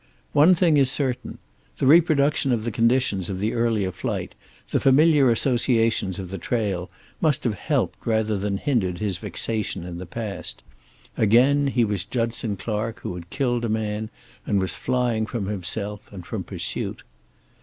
One thing is certain. The reproduction of the conditions of the earlier flight, the familiar associations of the trail, must have helped rather than hindered his fixation in the past. Again he was Judson Clark, who had killed a man, and was flying from himself and from pursuit.